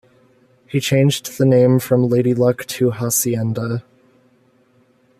He changed the name from Lady Luck to Hacienda.